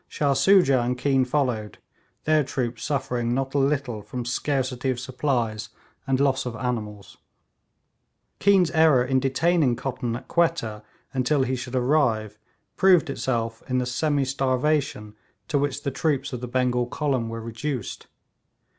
Shah Soojah and Keane followed, their troops suffering not a little from scarcity of supplies and loss of animals. Keane's error in detaining Cotton at Quetta until he should arrive proved itself in the semi starvation to which the troops of the Bengal column were reduced.